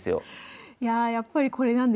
いややっぱりこれなんですねデリシャスは。